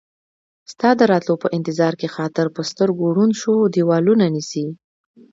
ستا د راتلو په انتظار کې خاطر ، په سترګو ړوند شو ديوالونه نيسي